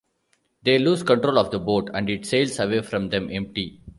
They lose control of the boat, and it sails away from them, empty.